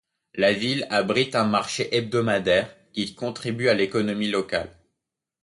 La ville abrite un marché hebdomadaire qui contribue à l'économie locale.